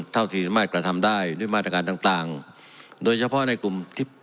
ที่สามารถกระทำได้ด้วยมาตรการต่างต่างโดยเฉพาะในกลุ่มที่